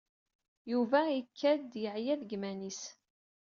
Yuba ikad-d yeɛya deg iman-is.